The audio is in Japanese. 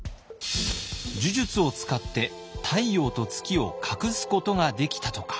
呪術を使って太陽と月を隠すことができたとか。